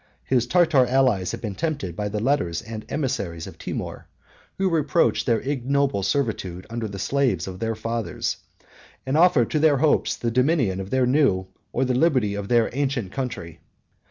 His Tartar allies had been tempted by the letters and emissaries of Timour; 44 who reproached their ignoble servitude under the slaves of their fathers; and offered to their hopes the dominion of their new, or the liberty of their ancient, country.